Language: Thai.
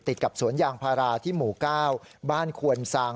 ติดกับสวนยางพาราที่หมู่๙บ้านควนซาง